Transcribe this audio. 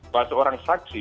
bahwa seorang saksi